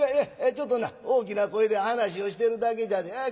ちょっとな大きな声で話をしてるだけじゃであ